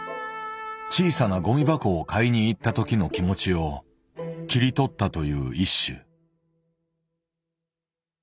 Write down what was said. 小さなゴミ箱を買いに行った時の気持ちを切り取ったという一首。